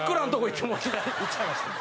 行っちゃいました。